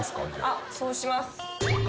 あっそうします。